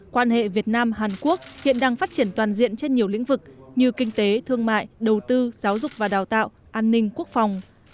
quan hệ việt nam hàn quốc hiện đang phát triển toàn diện trên nhiều lĩnh vực như kinh tế thương mại đầu tư giáo dục và đào tạo an ninh quốc phòng